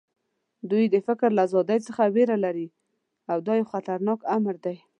دوی د فکر له ازادۍ څخه وېره لري او دا یو خطرناک امر دی